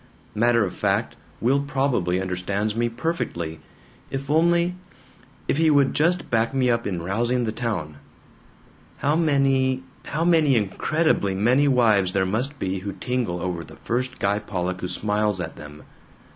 Matter of fact, Will probably understands me perfectly! If only if he would just back me up in rousing the town. "How many, how incredibly many wives there must be who tingle over the first Guy Pollock who smiles at them.